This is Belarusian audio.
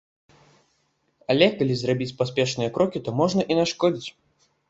Але калі зрабіць паспешныя крокі, то можна і нашкодзіць.